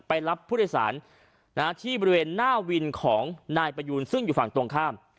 รับผู้โดยสารที่บริเวณหน้าวินของนายประยูนซึ่งอยู่ฝั่งตรงข้าม